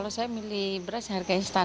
kalau saya milih beras harga instan